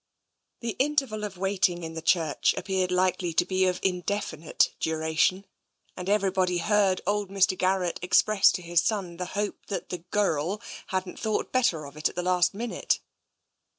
The interval of waiting in the church appeared likely to be of indefinite duration, and everybody heard old Mr. Garrett express to his son the hope that the " gurrel " hadn't thought better of it at the last minute.